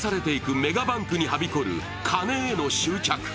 メガバンクにはびこる金への執着。